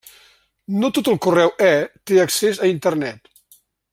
No tot el correu-e té accés a Internet.